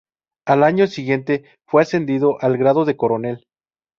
Al año siguiente fue ascendido al grado de coronel.